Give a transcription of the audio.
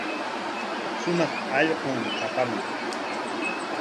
Shumaq allqum kapaman.